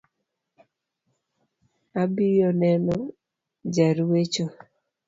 Abiyo neno ja ruecho